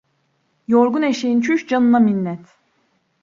Yorgun eşeğin çüş canına minnet.